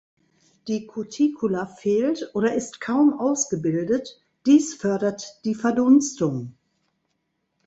Die Cuticula fehlt oder ist kaum ausgebildet, dies fördert die Verdunstung.